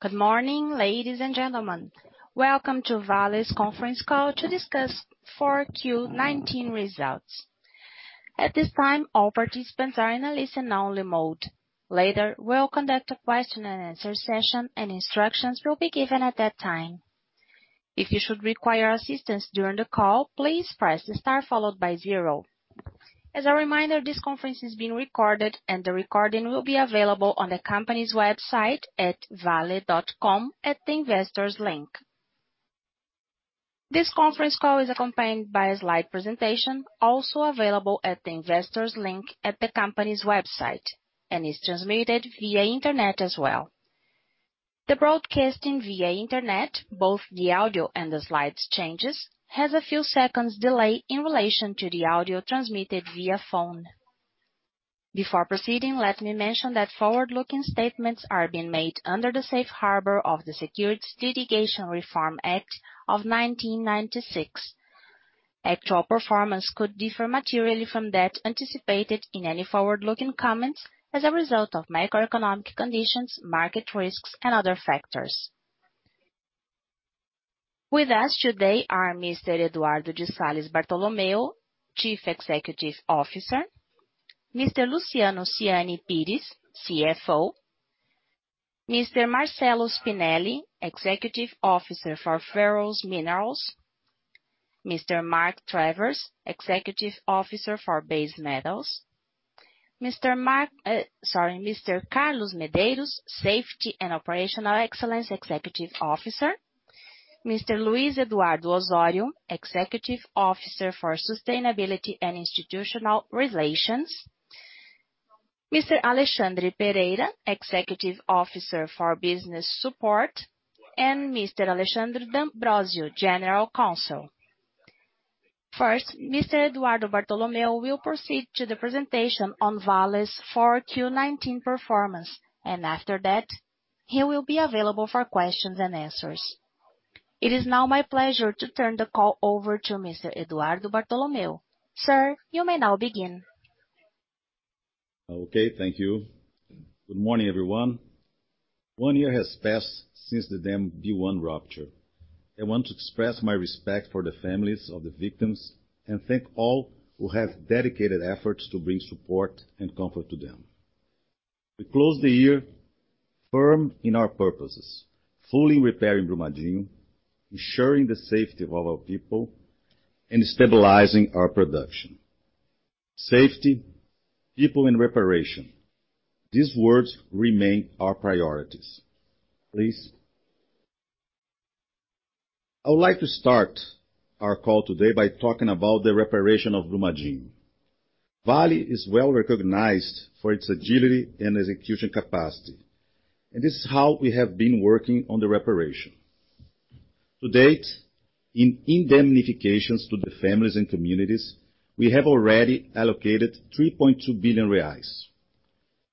Good morning, ladies and gentlemen. Welcome to Vale's Conference Call to discuss 4Q 2019 results. At this time, all participants are in a listen-only mode. Later, we'll conduct a question and answer session, and instructions will be given at that time. If you should require assistance during the call, please press star followed by zero. As a reminder, this conference is being recorded, and the recording will be available on the company's website at vale.com at the Investors link. This conference call is accompanied by a slide presentation, also available at the Investors link at the company's website and is transmitted via internet as well. The broadcasting via internet, both the audio and the slides changes, has a few seconds delay in relation to the audio transmitted via phone. Before proceeding, let me mention that forward-looking statements are being made under the safe harbor of the Securities Litigation Reform Act of 1996. Actual performance could differ materially from that anticipated in any forward-looking comments as a result of macroeconomic conditions, market risks, and other factors. With us today are Mr. Eduardo de Salles Bartolomeo, Chief Executive Officer. Mr. Luciano Siani Pires, CFO. Mr. Marcello Spinelli, Executive Officer for Ferrous Minerals. Mr. Mark Travers, Executive Officer for Base Metals. Mr. Carlos Medeiros, Safety and Operational Excellence Executive Officer. Mr. Luiz Eduardo Osorio, Executive Officer for Sustainability and Institutional Relations. Mr. Alexandre Pereira, Executive Officer for Business Support, and Mr. Alexandre D'Ambrosio, General Counsel. First, Mr. Eduardo Bartolomeo will proceed to the presentation on Vale's 4Q19 performance, and after that, he will be available for questions and answers. It is now my pleasure to turn the call over to Mr. Eduardo Bartolomeo. Sir, you may now begin. Okay. Thank you. Good morning, everyone. One year has passed since the Dam B1 rupture. I want to express my respect for the families of the victims and thank all who have dedicated efforts to bring support and comfort to them. We close the year firm in our purposes, fully repairing Brumadinho, ensuring the safety of our people, and stabilizing our production. Safety, people, and reparation. These words remain our priorities. Please. I would like to start our call today by talking about the reparation of Brumadinho. Vale is well recognized for its agility and execution capacity, and this is how we have been working on the reparation. To date, in indemnifications to the families and communities, we have already allocated 3.2 billion reais.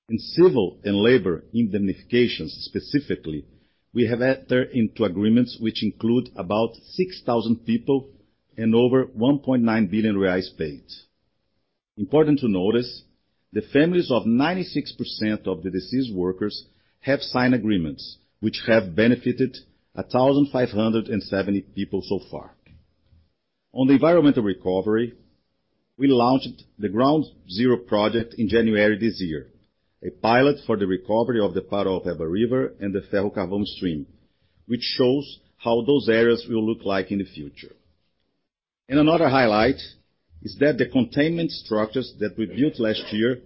In civil and labor indemnifications, specifically, we have entered into agreements which include about 6,000 people and over 1.9 billion reais paid. Important to notice, the families of 96% of the deceased workers have signed agreements, which have benefited 1,570 people so far. On the environmental recovery, we launched the Ground Zero project in January this year, a pilot for the recovery of the Paraopeba River and the Ferro-Carvão stream, which shows how those areas will look like in the future. Another highlight is that the containment structures that we built last year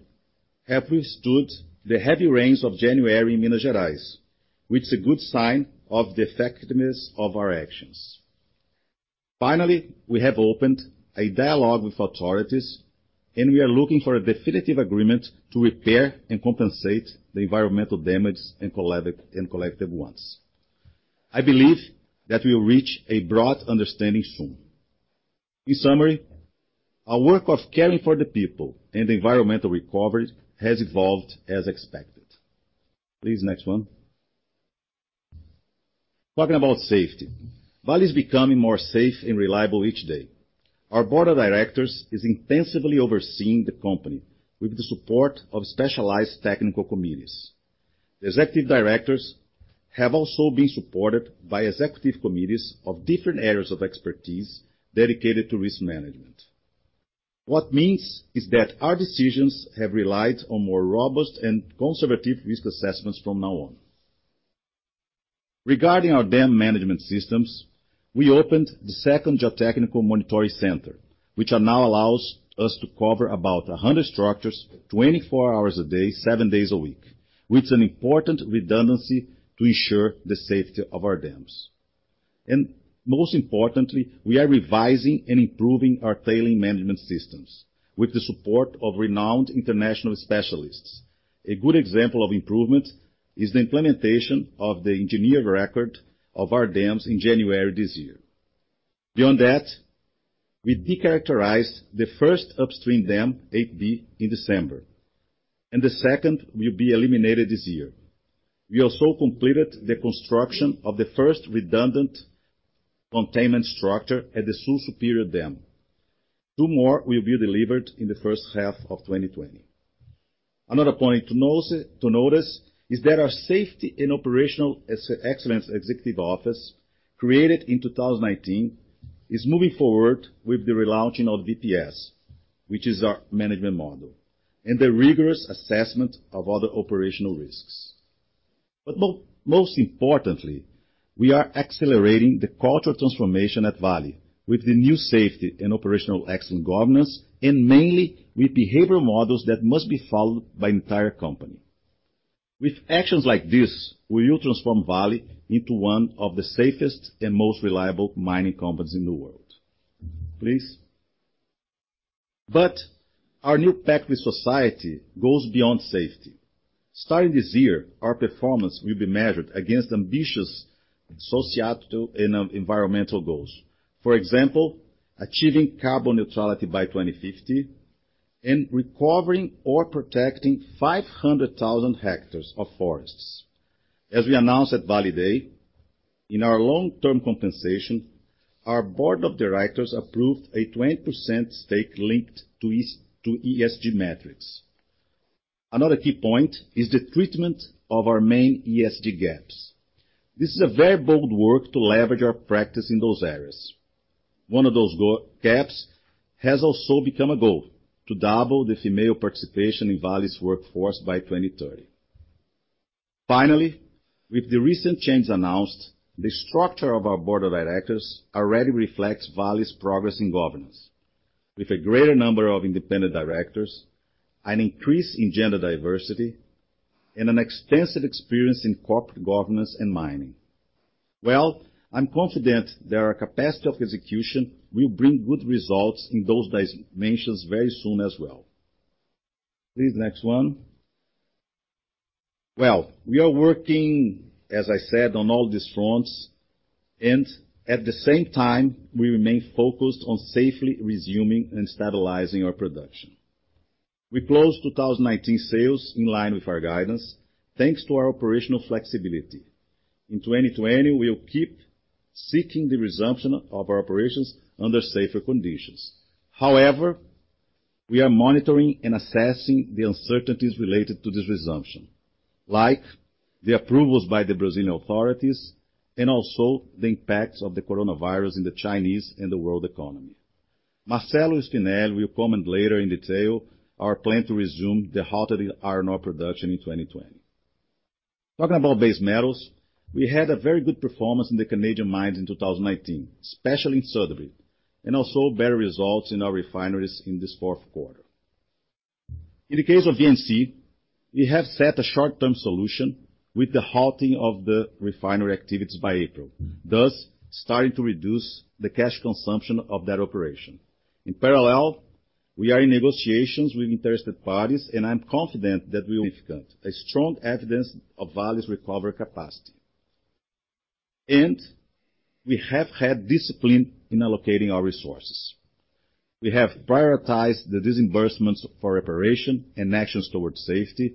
have withstood the heavy rains of January in Minas Gerais, which is a good sign of the effectiveness of our actions. Finally, we have opened a dialogue with authorities, and we are looking for a definitive agreement to repair and compensate the environmental damage and collective ones. I believe that we'll reach a broad understanding soon. In summary, our work of caring for the people and the environmental recovery has evolved as expected. Please, next one. Talking about safety. Vale is becoming more safe and reliable each day. Our board of directors is intensively overseeing the company with the support of specialized technical committees. The executive directors have also been supported by executive committees of different areas of expertise dedicated to risk management. What means is that our decisions have relied on more robust and conservative risk assessments from now on. Regarding our dam management systems, we opened the second geotechnical monitoring center, which now allows us to cover about 100 structures 24 hours a day, seven days a week. Which is an important redundancy to ensure the safety of our dams. Most importantly, we are revising and improving our tailing management systems with the support of renowned international specialists. A good example of improvement is the implementation of the engineered record of our dams in January this year. Beyond that, we decharacterized the first upstream dam, 8B, in December, and the second will be eliminated this year. We also completed the construction of the first redundant containment structure at the Sul Superior dam. Two more will be delivered in the first half of 2020. Another point to notice is that our Safety and Operational Excellence Executive Office, created in 2019, is moving forward with the relaunching of VPS, which is our management model, and the rigorous assessment of other operational risks. Most importantly, we are accelerating the culture transformation at Vale with the new safety and operational excellence governance, and mainly with behavioral models that must be followed by entire company. With actions like this, we will transform Vale into one of the safest and most reliable mining companies in the world. Please. Our new pact with society goes beyond safety. Starting this year, our performance will be measured against ambitious societal and environmental goals. For example, achieving carbon neutrality by 2050 and recovering or protecting 500,000 hectares of forests. As we announced at Vale Day, in our long-term compensation, our board of directors approved a 20% stake linked to ESG metrics. Another key point is the treatment of our main ESG gaps. This is a very bold work to leverage our practice in those areas. One of those gaps has also become a goal to double the female participation in Vale's workforce by 2030. Finally, with the recent changes announced, the structure of our board of directors already reflects Vale's progress in governance. With a greater number of independent directors, an increase in gender diversity, and an extensive experience in corporate governance and mining. Well, I'm confident that our capacity of execution will bring good results in those dimensions very soon as well. Please, next one. Well, we are working, as I said, on all these fronts and at the same time, we remain focused on safely resuming and stabilizing our production. We closed 2019 sales in line with our guidance, thanks to our operational flexibility. In 2020, we'll keep seeking the resumption of our operations under safer conditions. However, we are monitoring and assessing the uncertainties related to this resumption, like the approvals by the Brazilian authorities and also the impacts of the coronavirus in the Chinese and the world economy. Marcello Spinelli will comment later in detail our plan to resume the halted iron ore production in 2020. Talking about base metals, we had a very good performance in the Canadian mines in 2019, especially in Sudbury, and also better results in our refineries in this fourth quarter. In the case of VNC, we have set a short-term solution with the halting of the refinery activities by April, thus starting to reduce the cash consumption of that operation. In parallel, we are in negotiations with interested parties. A strong evidence of Vale's recovery capacity. We have had discipline in allocating our resources. We have prioritized the disbursements for reparation and actions towards safety,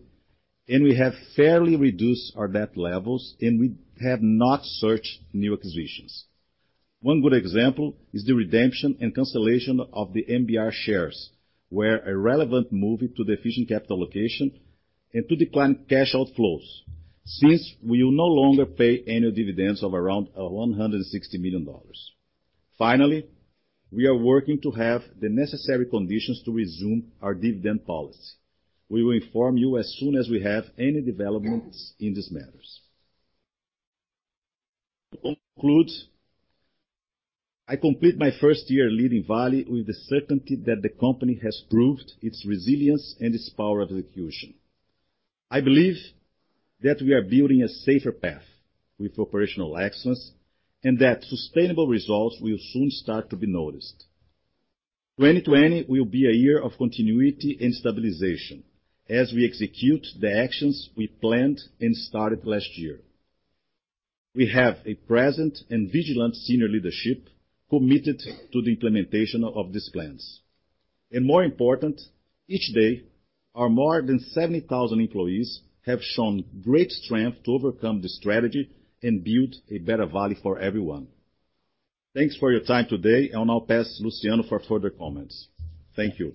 and we have fairly reduced our debt levels, and we have not searched new acquisitions. One good example is the redemption and cancellation of the MBR shares, where a relevant move to the efficient capital allocation and to decline cash outflows, since we will no longer pay annual dividends of around $160 million. Finally, we are working to have the necessary conditions to resume our dividend policy. We will inform you as soon as we have any developments in these matters. To conclude, I complete my first year leading Vale with the certainty that the company has proved its resilience and its power of execution. I believe that we are building a safer path with operational excellence, and that sustainable results will soon start to be noticed. 2020 will be a year of continuity and stabilization as we execute the actions we planned and started last year. We have a present and vigilant senior leadership committed to the implementation of these plans. More important, each day our more than 70,000 employees have shown great strength to overcome this tragedy and build a better Vale for everyone. Thanks for your time today. I'll now pass Luciano for further comments. Thank you.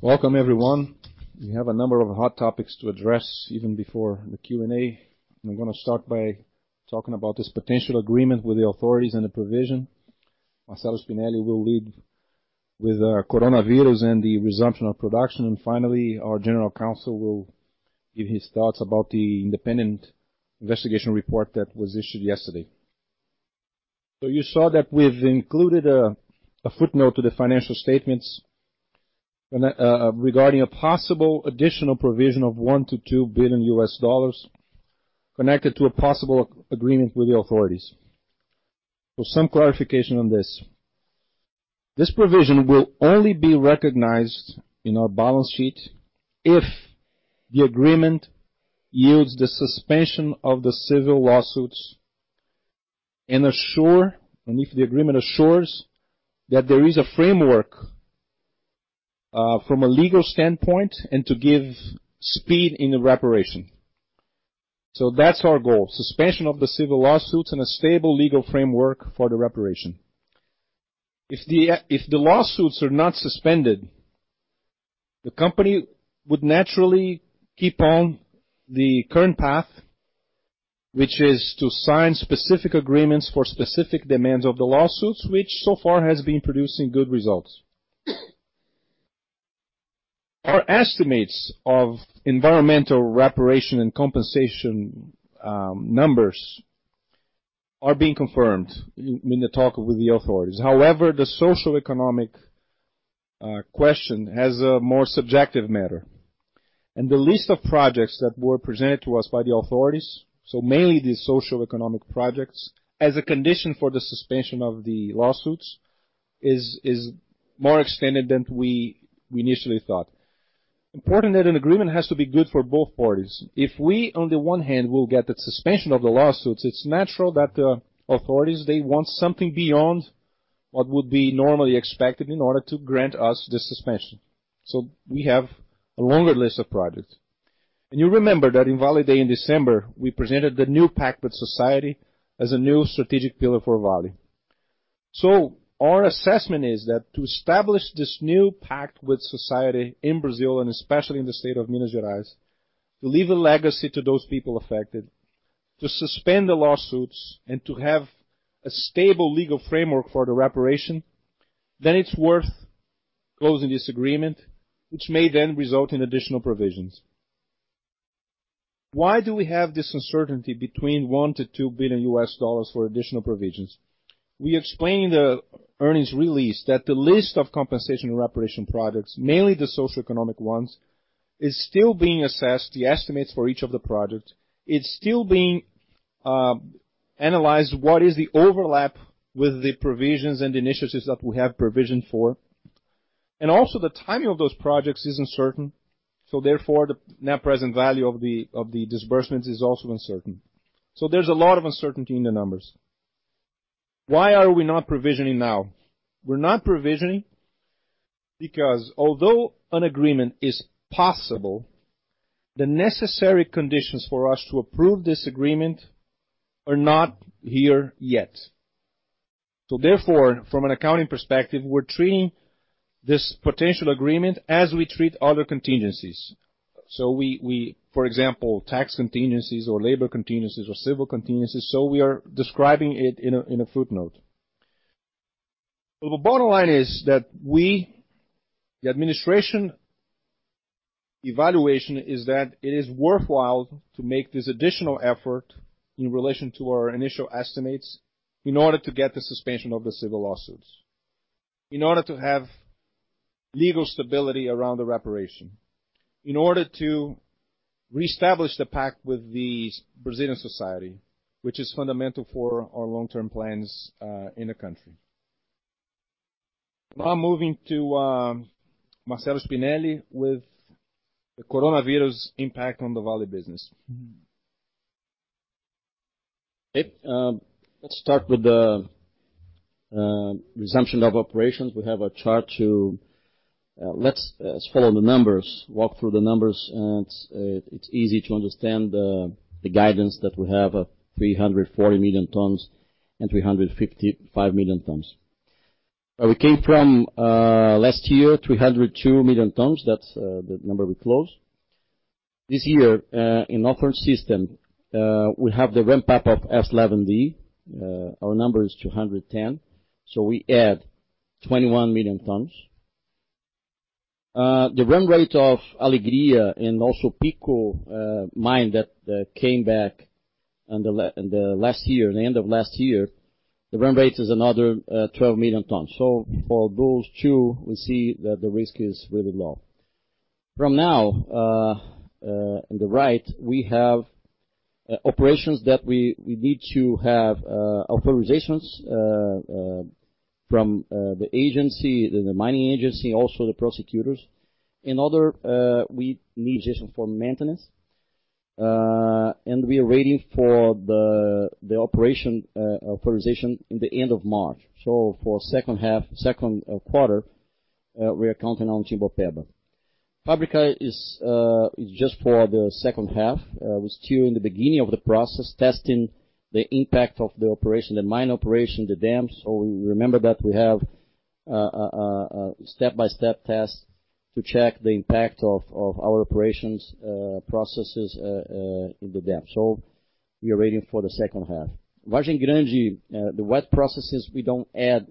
Welcome, everyone. We have a number of hot topics to address even before the Q&A. We're going to start by talking about this potential agreement with the authorities and the provision. Marcello Spinelli will lead with coronavirus and the resumption of production. Finally, our general counsel will give his thoughts about the independent investigation report that was issued yesterday. You saw that we've included a footnote to the financial statements regarding a possible additional provision of $1 billion-$2 billion connected to a possible agreement with the authorities. Some clarification on this. This provision will only be recognized in our balance sheet if the agreement yields the suspension of the civil lawsuits and if the agreement assures that there is a framework from a legal standpoint and to give speed in the reparation. That's our goal, suspension of the civil lawsuits and a stable legal framework for the reparation. If the lawsuits are not suspended, the company would naturally keep on the current path, which is to sign specific agreements for specific demands of the lawsuits, which so far has been producing good results. Our estimates of environmental reparation and compensation numbers are being confirmed in the talk with the authorities. However, the socioeconomic question has a more subjective matter. The list of projects that were presented to us by the authorities, so mainly the socioeconomic projects, as a condition for the suspension of the lawsuits, is more extended than we initially thought. Important that an agreement has to be good for both parties. If we, on the one hand, will get the suspension of the lawsuits, it is natural that the authorities, they want something beyond what would be normally expected in order to grant us the suspension. We have a longer list of projects. You remember that in Vale Day in December, we presented the New Pact with Society as a new strategic pillar for Vale. Our assessment is that to establish this New Pact with Society in Brazil, and especially in the state of Minas Gerais, to leave a legacy to those people affected, to suspend the lawsuits and to have a stable legal framework for the reparation, then it is worth closing this agreement, which may then result in additional provisions. Why do we have this uncertainty between $1 billion-$2 billion for additional provisions? We explained the earnings release that the list of compensation and reparation products, mainly the socioeconomic ones, is still being assessed, the estimates for each of the projects. It's still being analyzed what is the overlap with the provisions and initiatives that we have provisioned for. Also, the timing of those projects is uncertain, so therefore the net present value of the disbursements is also uncertain. There's a lot of uncertainty in the numbers. Why are we not provisioning now? We're not provisioning because although an agreement is possible, the necessary conditions for us to approve this agreement are not here yet. Therefore, from an accounting perspective, we're treating this potential agreement as we treat other contingencies. For example, tax contingencies or labor contingencies or civil contingencies, we are describing it in a footnote. The bottom line is that we, the administration evaluation is that it is worthwhile to make this additional effort in relation to our initial estimates in order to get the suspension of the civil lawsuits, in order to have legal stability around the reparation, in order to reestablish the pact with the Brazilian society, which is fundamental for our long-term plans in the country. Now I'm moving to Marcello Spinelli with the coronavirus impact on the Vale business. Okay. Let's start with the resumption of operations. We have a chart. Let's follow the numbers, walk through the numbers. It's easy to understand the guidance that we have of 340 million tons and 355 million tons. We came from last year, 302 million tons. That's the number we closed. This year, in our current system, we have the ramp-up of S11D. Our number is 210. We add 21 million tons. The run rate of Alegria and also Pico mine that came back in the end of last year, the run rate is another 12 million tons. For those two, we see that the risk is really low. From now, on the right, we have operations that we need to have authorizations from the agency, the mining agency, also the prosecutors. In other, we need authorization for maintenance. We are waiting for the operation authorization in the end of March. For second quarter, we are counting on Timbopeba. Fábrica is just for the second half. We're still in the beginning of the process, testing the impact of the operation, the mine operation, the dams. Remember that we have a step-by-step test to check the impact of our operations processes in the dam. We are waiting for the second half. Vargem Grande, the wet processes, we don't add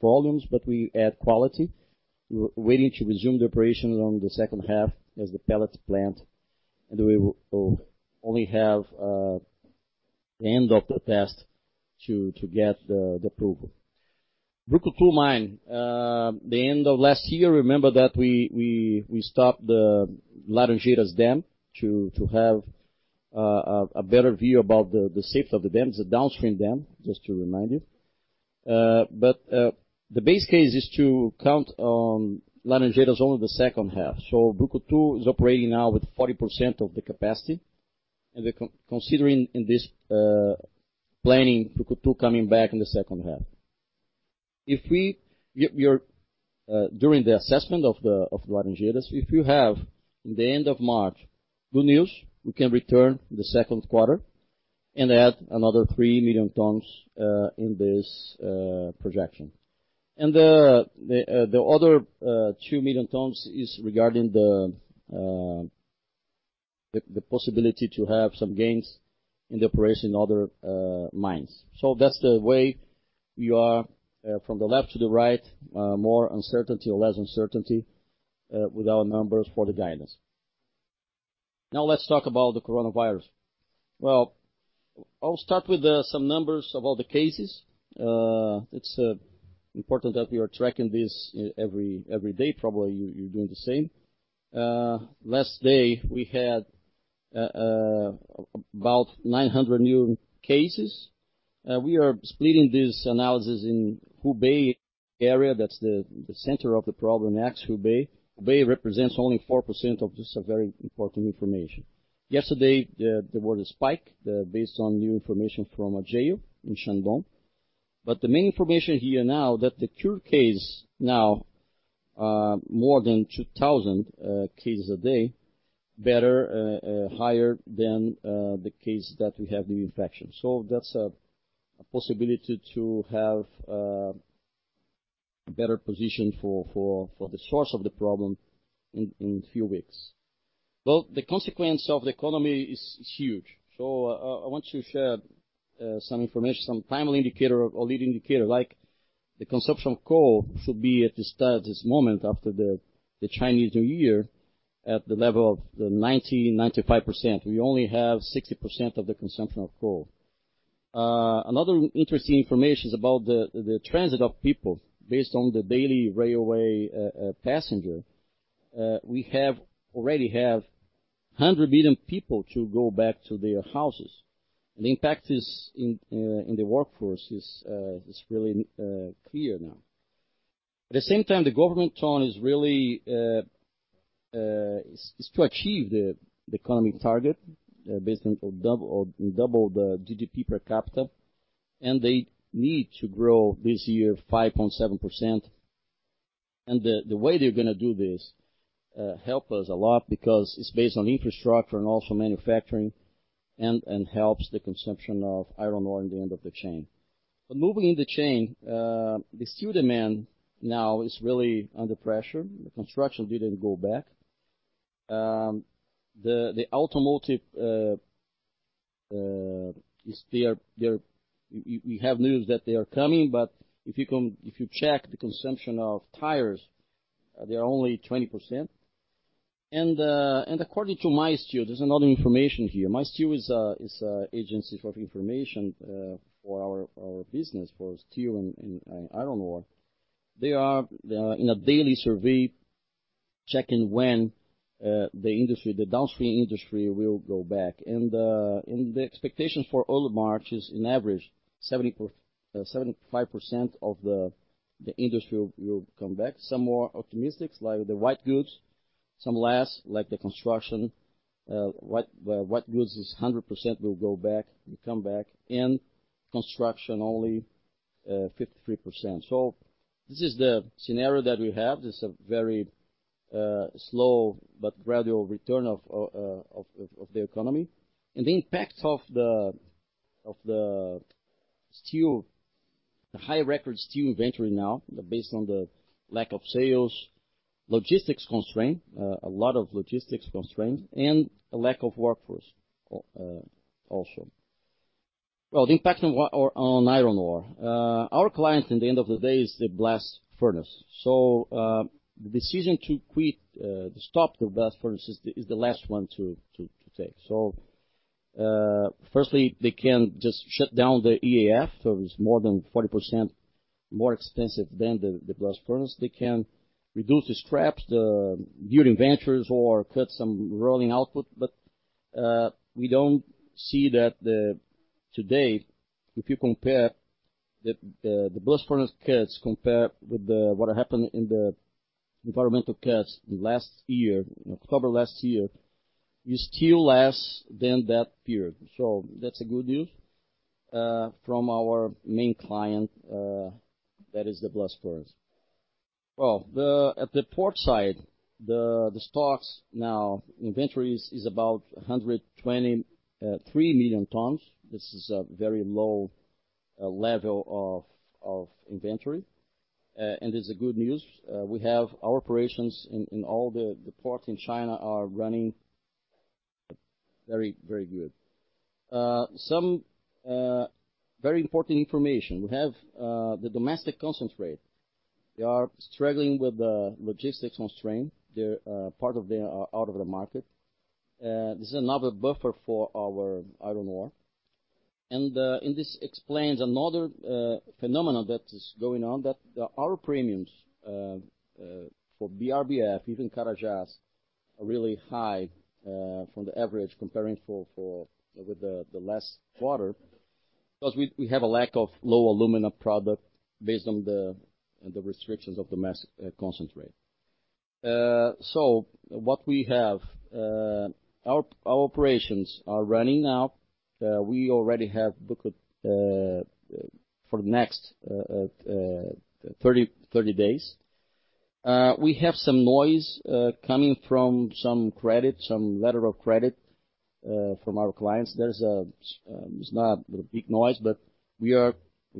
volumes, but we add quality. We're waiting to resume the operations on the second half as the pellets plant, and we will only have the end of the test to get the approval. Brucutu Mine. The end of last year, remember that we stopped the Laranjeiras Dam to have a better view about the safety of the dams, the downstream dam, just to remind you. The base case is to count on Laranjeiras only the second half. Brucutu is operating now with 40% of the capacity. We're considering in this planning for Q2 coming back in the second half. During the assessment of the Laranjeiras, if you have, in the end of March, good news, we can return the second quarter and add another 3 million tons in this projection. The other 2 million tons is regarding the possibility to have some gains in the operation in other mines. That's the way we are, from the left to the right, more uncertainty or less uncertainty with our numbers for the guidance. Now let's talk about the coronavirus. I'll start with some numbers about the cases. It's important that we are tracking this every day. Probably you're doing the same. Last day, we had about 900 new cases. We are splitting this analysis in Hubei area. That's the center of the problem, that's Hubei. Hubei represents only 4% of this very important information. Yesterday, there was a spike based on new information from Jinan in Shandong. The main information here now that the cure case now more than 2,000 cases a day, better, higher than the case that we have the infection. That's a possibility to have a better position for the source of the problem in few weeks. The consequence of the economy is huge, so I want to share some information, some timely indicator or lead indicator, like the consumption of coal should be at this moment after the Chinese New Year at the level of the 90%-95%. We only have 60% of the consumption of coal. Another interesting information is about the transit of people based on the daily railway passenger. We have already have 100 million people to go back to their houses. The impact in the workforce is really clear now. At the same time, the government tone is to achieve the economic target based on double the GDP per capita, and they need to grow this year 5.7%. The way they're gonna do this help us a lot because it's based on infrastructure and also manufacturing and helps the consumption of iron ore in the end of the chain. Moving in the chain, the steel demand now is really under pressure. The construction didn't go back. The automotive, we have news that they are coming, but if you check the consumption of tires, they are only 20%. According to Mysteel, there's another information here. Mysteel is a agency for information for our business, for steel and iron ore. They are in a daily survey, checking when the downstream industry will go back. The expectation for all of March is an average 75% of the industry will come back. Some more optimistic like the white goods, some less like the construction. White goods is 100% will go back and come back, and construction only 53%. This is the scenario that we have. This a very slow but gradual return of the economy. The impact of the high-record steel inventory now based on the lack of sales, logistics constraints, a lot of logistics constraints, and a lack of workforce also. Well, the impact on iron ore. Our client in the end of the day is the blast furnace. The decision to stop the blast furnace is the last one to take. Firstly, they can just shut down the EAF, so it's more than 40% more expensive than the blast furnace. They can reduce the scraps during ventures or cut some rolling output. We don't see that today. If you compare the blast furnace cuts compared with what happened in the environmental cuts in last year, in October last year, is still less than that period. That's a good news from our main client, that is the blast furnace. At the port side, the stocks now, inventories is about 123 million tons. This is a very low level of inventory. It's a good news. We have our operations in all the ports in China are running very good. Some very important information. We have the domestic concentrate. They are struggling with the logistics constraint. Part of them are out of the market. This is another buffer for our iron ore. This explains another phenomenon that is going on, that our premiums for BRBF, even Carajás, are really high from the average comparing with the less water because we have a lack of low alumina product based on the restrictions of domestic concentrate. What we have, our operations are running now. We already have booked for the next 30 days. We have some noise coming from some credit, some letter of credit from our clients. It is not a big noise, but we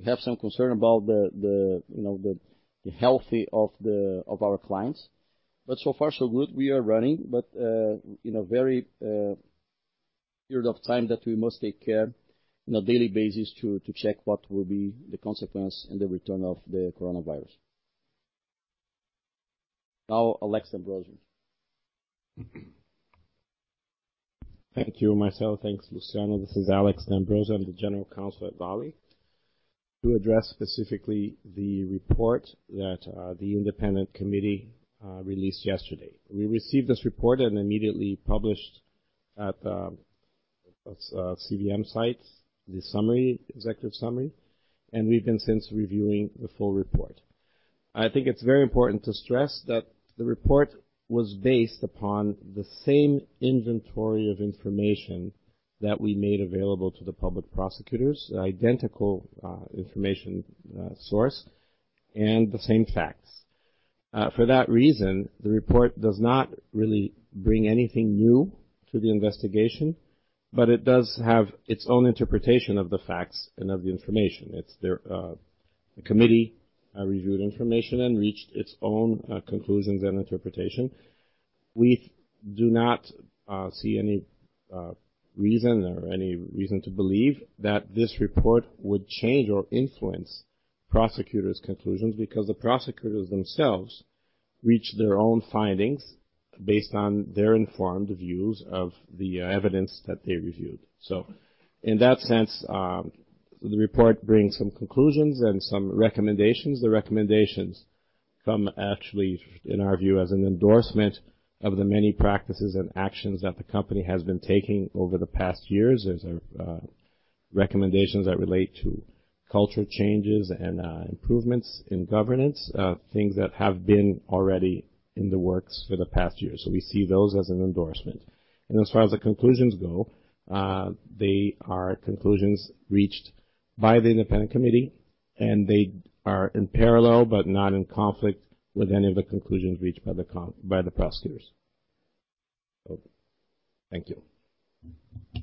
have some concern about the health of our clients. So far so good. We are running, but in a very period of time that we must take care on a daily basis to check what will be the consequence and the return of the coronavirus. Now, Alexandre D'Ambrosio. Thank you, Marcello. Thanks, Luciano. This is Alex D'Ambrosio, I'm the General Counsel at Vale. To address specifically the report that the independent committee released yesterday. We received this report and immediately published at the CVM site, the executive summary, and we've been since reviewing the full report. I think it's very important to stress that the report was based upon the same inventory of information that we made available to the public prosecutors, identical information source, and the same facts. For that reason, the report does not really bring anything new to the investigation, but it does have its own interpretation of the facts and of the information. The committee reviewed information and reached its own conclusions and interpretation. We do not see any reason or any reason to believe that this report would change or influence prosecutors' conclusions because the prosecutors themselves reach their own findings based on their informed views of the evidence that they reviewed. In that sense, the report brings some conclusions and some recommendations. The recommendations come actually, in our view, as an endorsement of the many practices and actions that the company has been taking over the past years. There's recommendations that relate to culture changes and improvements in governance, things that have been already in the works for the past year. We see those as an endorsement. As far as the conclusions go, they are conclusions reached by the independent committee, and they are in parallel, but not in conflict with any of the conclusions reached by the prosecutors. Thank you. Thank you.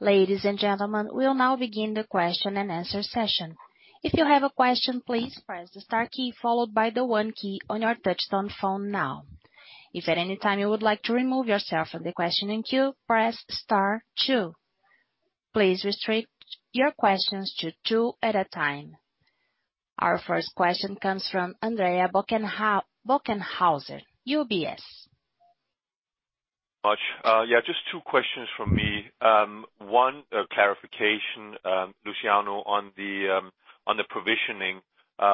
Ladies and gentlemen, we'll now begin the question and answer session. If you have a question, please press the star key followed by the one key on your touch-tone phone now. If at any time you would like to remove yourself from the question in queue, press star two. Please restrict your questions to two at a time. Our first question comes from Andreas Bokkenheuser, UBS. Much. Yeah, just two questions from me. One clarification, Luciano, on the provisioning.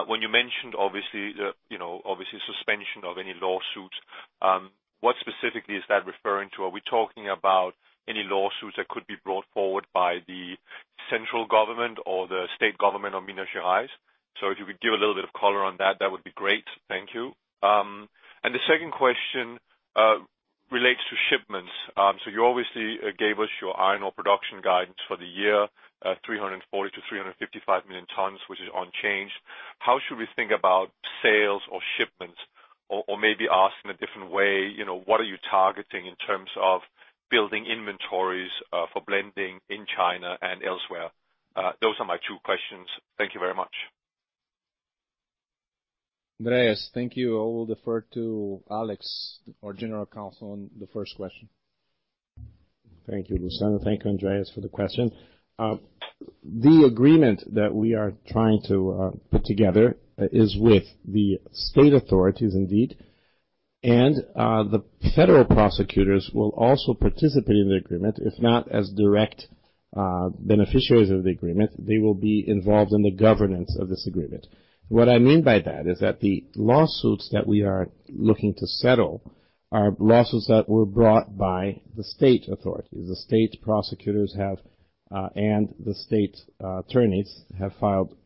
When you mentioned, obviously, suspension of any lawsuits, what specifically is that referring to? Are we talking about any lawsuits that could be brought forward by the central government or the state government of Minas Gerais? If you could give a little bit of color on that would be great. Thank you. The second question relates to shipments. You obviously gave us your iron ore production guidance for the year, 340 million tons-355 million tons, which is unchanged. How should we think about sales or shipments? Maybe asked in a different way, what are you targeting in terms of building inventories for blending in China and elsewhere? Those are my two questions. Thank you very much. Andreas, thank you. I will defer to Alex, our General Counsel, on the first question. Thank you, Luciano. Thank you, Andreas, for the question. The agreement that we are trying to put together is with the state authorities, indeed. The federal prosecutors will also participate in the agreement, if not as direct beneficiaries of the agreement, they will be involved in the governance of this agreement. What I mean by that is that the lawsuits that we are looking to settle are lawsuits that were brought by the state authorities. The state prosecutors have, and the state attorneys have filed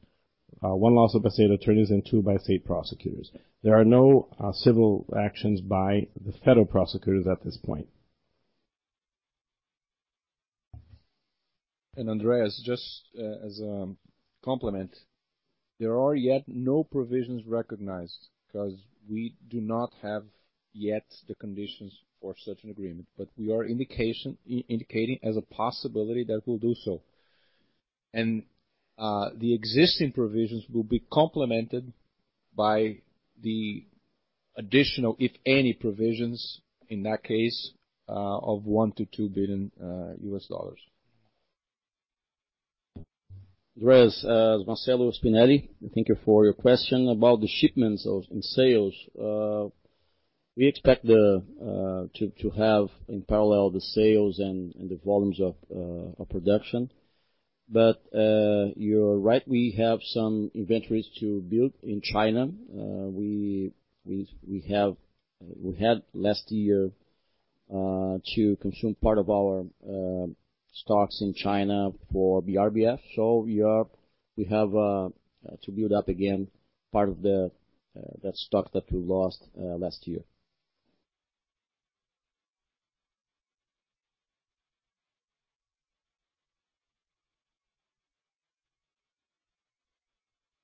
one lawsuit by state attorneys and two by state prosecutors. There are no civil actions by the federal prosecutors at this point. Andreas, just as a complement, there are yet no provisions recognized because we do not have yet the conditions for such an agreement, but we are indicating as a possibility that we'll do so. The existing provisions will be complemented by the additional, if any, provisions in that case of $1 billion-$2 billion. Andreas, it's Marcello Spinelli. Thank you for your question. About the shipments and sales, we expect to have in parallel the sales and the volumes of production. You're right, we have some inventories to build in China. We had last year to consume part of our stocks in China for BRBF. We have to build up again part of that stock that we lost last year.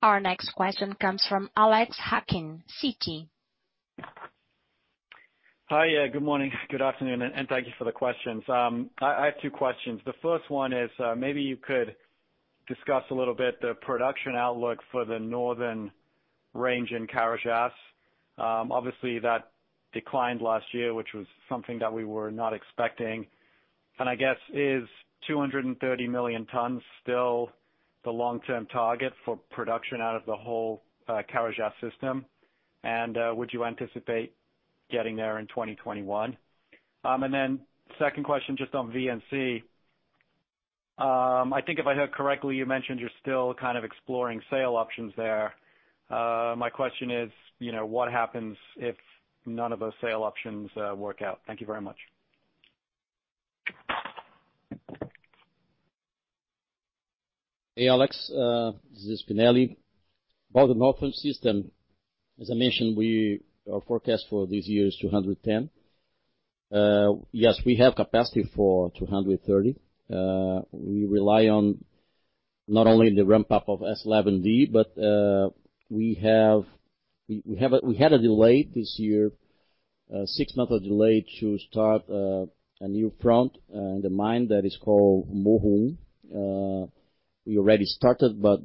Our next question comes from Alex Hacking, Citi. Hi. Good morning. Good afternoon, and thank you for the questions. I have two questions. The first one is, maybe you could discuss a little bit the production outlook for the North Range in Carajás. Obviously, that declined last year, which was something that we were not expecting. I guess, is 230 million tons still the long-term target for production out of the whole Carajás system? Would you anticipate getting there in 2021? Second question just on VNC. I think if I heard correctly, you mentioned you're still kind of exploring sale options there. My question is, what happens if none of those sale options work out? Thank you very much. Alex. This is Spinelli. About the Northern System, as I mentioned, our forecast for this year is 210. We have capacity for 230. We rely on not only the ramp-up of S11D, but we had a delay this year, a six-month delay to start a new front in the mine that is called Morro. We already started, but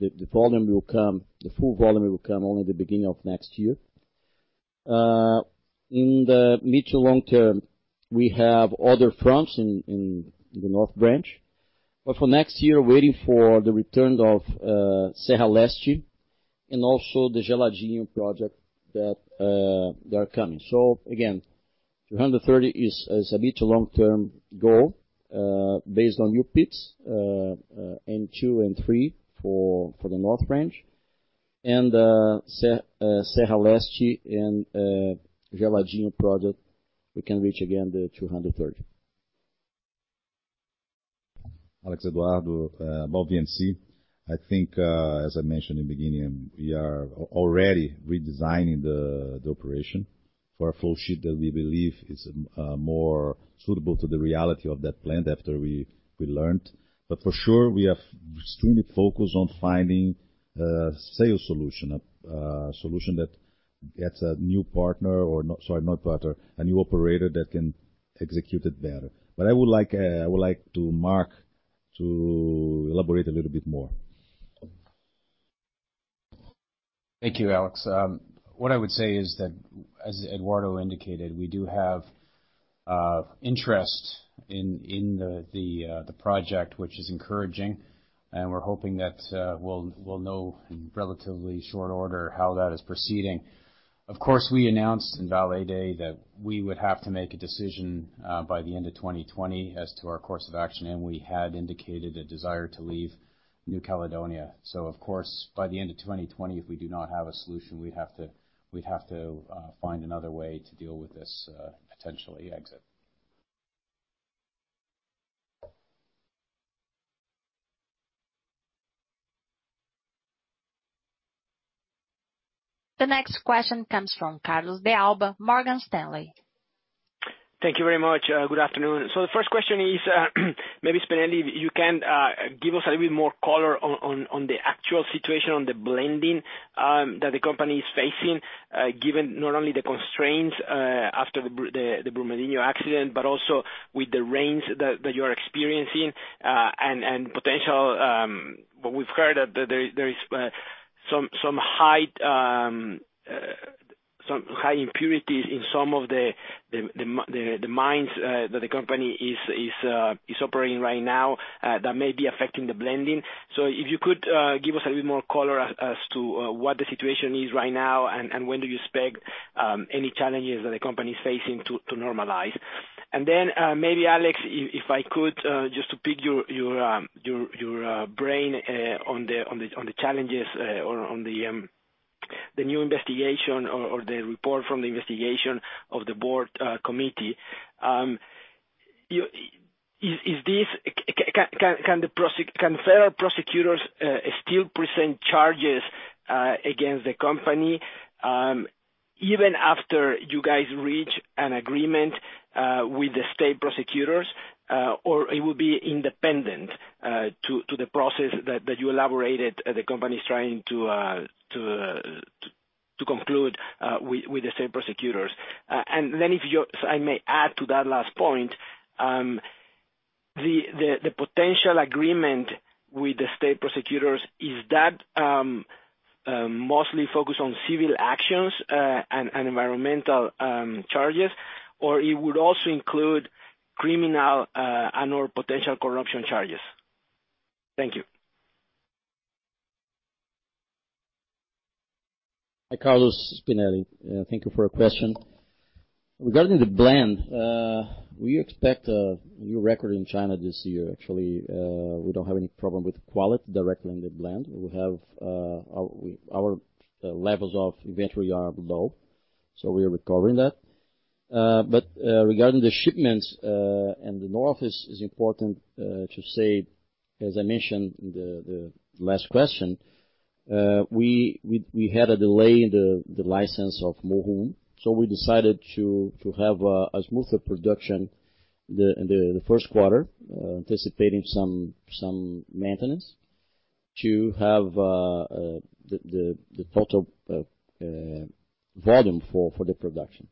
the full volume will come only at the beginning of next year. In the mid to long term, we have other fronts in the North Range. For next year, waiting for the return of Serra Leste and also the Gelado project that are coming. 230 is a mid to long-term goal based on new pits, N2 and 3 for the North Range. Serra Leste and Gelado project, we can reach again the 230. Alex, Eduardo. About VNC, I think, as I mentioned in the beginning, we are already redesigning the operation for a flow sheet that we believe is more suitable to the reality of that plant after we learned. For sure, we are extremely focused on finding a sales solution, a solution that gets a new partner or sorry, not partner, a new operator that can execute it better. I would like Mark to elaborate a little bit more. Thank you, Alex. What I would say is that, as Eduardo indicated, we do have interest in the project, which is encouraging, and we're hoping that we'll know in relatively short order how that is proceeding. Of course, we announced in Vale Day that we would have to make a decision by the end of 2020 as to our course of action, and we had indicated a desire to leave New Caledonia. Of course, by the end of 2020, if we do not have a solution, we'd have to find another way to deal with this, potentially exit. The next question comes from Carlos De Alba, Morgan Stanley. Thank you very much. Good afternoon. The first question is maybe, Spinelli, you can give us a little bit more color on the actual situation on the blending that the company is facing given not only the constraints after the Brumadinho accident, but also with the rains that you're experiencing, and potential, what we've heard, that there is some high impurities in some of the mines that the company is operating right now that may be affecting the blending. If you could give us a little more color as to what the situation is right now, and when do you expect any challenges that the company is facing to normalize? Maybe Alex, if I could, just to pick your brain on the challenges or on the new investigation or the report from the investigation of the board committee. Can federal prosecutors still present charges against the company even after you guys reach an agreement with the state prosecutors? It will be independent to the process that you elaborated the company's trying to conclude with the state prosecutors? If you, I may add to that last point, the potential agreement with the state prosecutors, is that mostly focused on civil actions, and environmental charges? It would also include criminal, and/or potential corruption charges? Thank you. Hi, Carlos. It's Spinelli. Thank you for your question. Regarding the blend, we expect a new record in China this year. Actually, we don't have any problem with quality directly in the blend. Our levels of inventory are low. We are recovering that. Regarding the shipments in the North Range, it's important to say, as I mentioned in the last question, we had a delay in the license of Morro. We decided to have a smoother production in the first quarter, anticipating some maintenance to have the total volume for the production.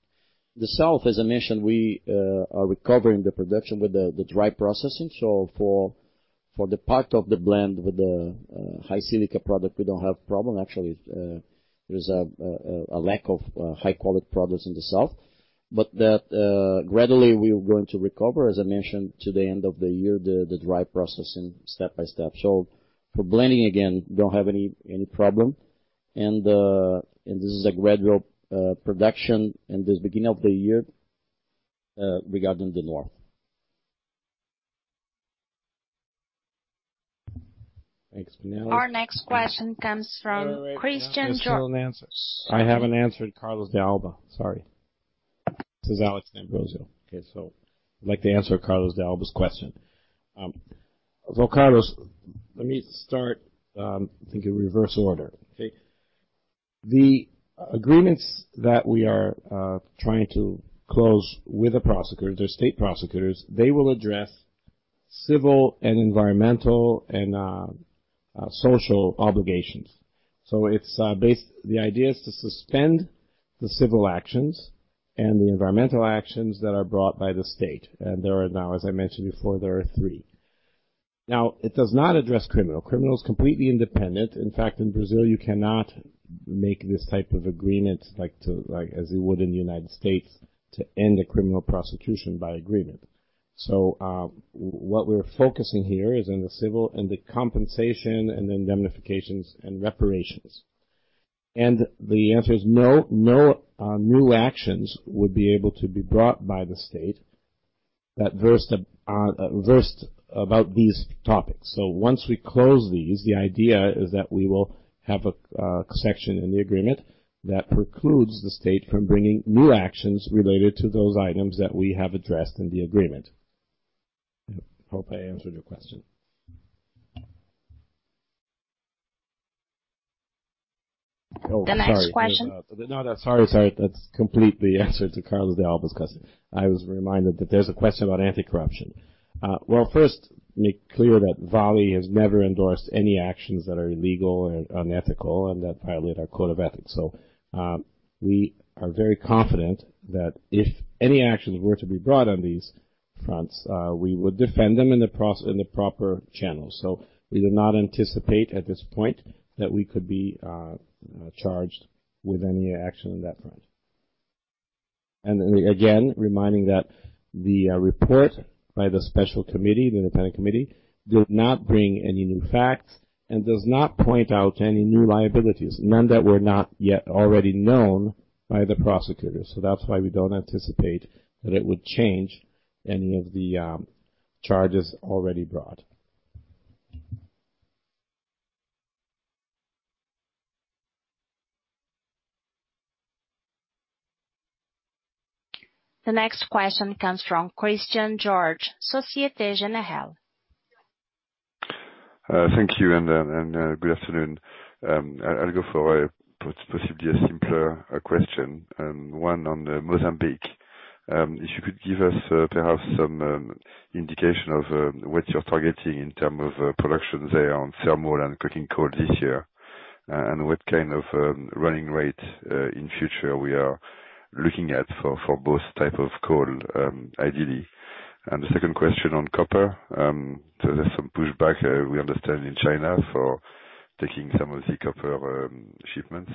The South, as I mentioned, we are recovering the production with the dry processing. For the part of the blend with the high silica product, we don't have problem. Actually, there's a lack of high-quality products in the South. That gradually we are going to recover, as I mentioned, to the end of the year, the dry processing step by step. For blending, again, don't have any problem. This is a gradual production in the beginning of the year regarding the North. Thanks, Spinelli. Our next question comes from Christian Georges. All right. There are still answers. I haven't answered Carlos De Alba, sorry. This is Alex D'Ambrosio. Okay, I'd like to answer Carlos De Alba's question. Carlos, let me start, I think, in reverse order. Okay? The agreements that we are trying to close with the prosecutors, the state prosecutors, they will address civil and environmental, and social obligations. The idea is to suspend the civil actions and the environmental actions that are brought by the state. There are now, as I mentioned before, there are three. Now, it does not address criminal. Criminal is completely independent. In fact, in Brazil, you cannot make this type of agreement as you would in the U.S. to end a criminal prosecution by agreement. What we're focusing here is on the civil and the compensation and indemnifications and reparations. The answer is no. No new actions would be able to be brought by the state that versed about these topics. Once we close these, the idea is that we will have a section in the agreement that precludes the state from bringing new actions related to those items that we have addressed in the agreement. I hope I answered your question. The next question- Oh, sorry. No, sorry. That's completely answered to Carlos De Alba's question. I was reminded that there's a question about anti-corruption. Well, first, make clear that Vale has never endorsed any actions that are illegal or unethical and that violate our code of ethics. We are very confident that if any actions were to be brought on these fronts, we would defend them in the proper channels. We do not anticipate at this point that we could be charged with any action on that front. Again, reminding that the report by the special committee, the independent committee, did not bring any new facts and does not point out any new liabilities, none that were not yet already known by the prosecutors. That's why we don't anticipate that it would change any of the charges already brought. The next question comes from Christian Georges, Société Générale. Thank you, and good afternoon. I'll go for possibly a simpler question, and one on Mozambique. If you could give us perhaps some indication of what you're targeting in terms of production there on thermal and coking coal this year. What kind of running rate, in future we are looking at for both type of coal, ideally. The second question on copper. There's some pushback, we understand in China for taking some of the copper shipments.